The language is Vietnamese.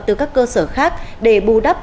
từ các cơ sở khác để bù đắp